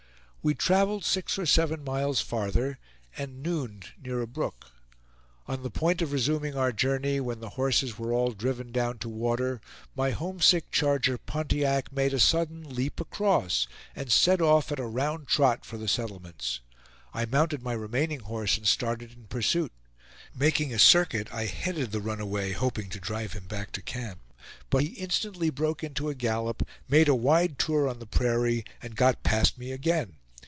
We traveled six or seven miles farther, and "nooned" near a brook. On the point of resuming our journey, when the horses were all driven down to water, my homesick charger, Pontiac, made a sudden leap across, and set off at a round trot for the settlements. I mounted my remaining horse, and started in pursuit. Making a circuit, I headed the runaway, hoping to drive him back to camp; but he instantly broke into a gallop, made a wide tour on the prairie, and got past me again.